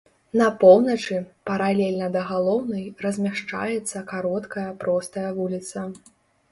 На поўначы, паралельна да галоўнай размяшчаецца кароткая простая вуліца.